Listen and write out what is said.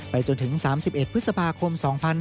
จนถึง๓๑พฤษภาคม๒๕๕๙